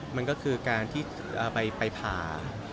มันก็คือการที่ไปผ่า